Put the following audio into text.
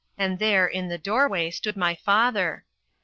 And there, in the doorway, stood my father!